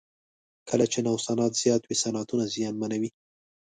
کله چې نوسانات زیات وي صنعتونه زیانمنوي.